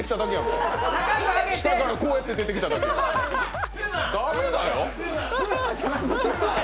下からこうやって出てきただけやん、駄目だよ。